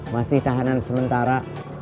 masih tahanan sementara